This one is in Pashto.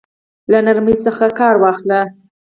له نرمۍ څخه كار واخله!